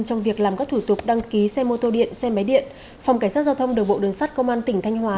trong việc làm các thủ tục đăng ký xe mô tô điện xe máy điện phòng cảnh sát giao thông đường bộ đường sắt công an tỉnh thanh hóa